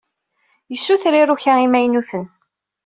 Yessuter iruka imaynuten.